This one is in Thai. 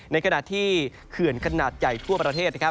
ในขณะที่เขื่อนขนาดใหญ่ทั่วประเทศนะครับ